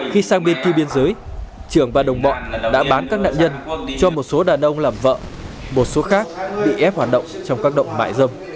khi sang bên kia biên giới trường và đồng bọn đã bán các nạn nhân cho một số đàn ông làm vợ một số khác bị ép hoạt động trong các động mại dâm